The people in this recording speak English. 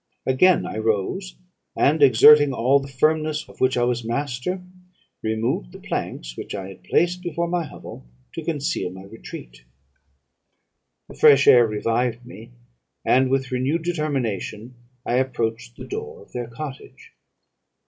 Again I rose; and, exerting all the firmness of which I was master, removed the planks which I had placed before my hovel to conceal my retreat. The fresh air revived me, and, with renewed determination, I approached the door of their cottage.